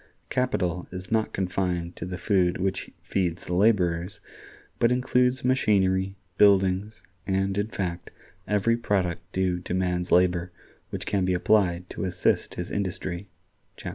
Capital is not confined to the food which feeds the laborers, but includes machinery, buildings, and, in fact, every product due to man's labor which can be applied to assist his industry" (chap.